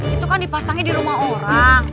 itu kan dipasangnya di rumah orang